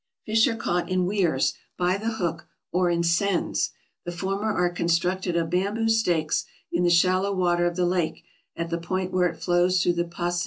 Fish are caught in weirs, by the hook, or in seines. The former are constructed of bamboo stakes, in the shallow water of the lake, at the point where it flows through the river Pasig.